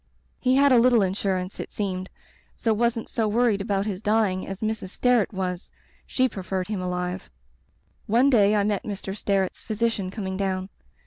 He had a litde insurance, it seemed, so wasn't so worried about his dying as Mrs. Sterret was. She preferred him alive. "One day I met Mr. Sterret's physician coming down.